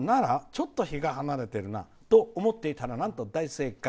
ちょっと日が離れているなと思っていたらなんと、大正解。